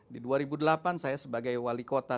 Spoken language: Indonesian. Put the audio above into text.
di dua ribu delapan saya sebagai wali kota